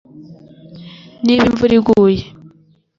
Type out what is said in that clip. niba imvura iguye